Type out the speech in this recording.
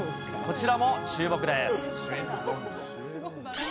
こちらも注目です。